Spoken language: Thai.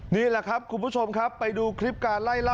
นี่แหละครับคุณผู้ชมครับไปดูคลิปการไล่ล่า